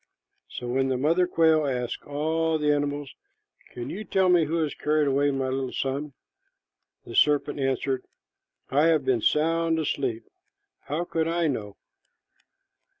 So when the mother quail asked all the animals, "Can you tell me who has carried away my little son?" the serpent answered, "I have been sound asleep. How could I know?"